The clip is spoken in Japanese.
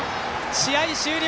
試合終了！